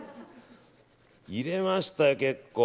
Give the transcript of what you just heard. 入れました、結構。